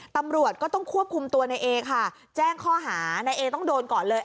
ตำรวจก็ต้องควบคุมตัวในเอค่ะแจ้งข้อหานายเอต้องโดนก่อนเลย